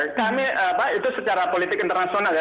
kami pak itu secara politik internasional ya